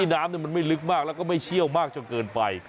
น้ำมันไม่ลึกมากแล้วก็ไม่เชี่ยวมากจนเกินไป